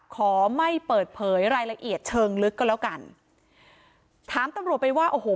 ขอไม่เปิดเผยรายละเอียดเชิงลึกก็แล้วกันถามตำรวจไปว่าโอ้โห